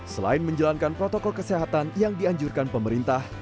selain menjalankan protokol kesehatan yang dianjurkan pemerintah